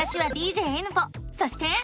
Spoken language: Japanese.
そして。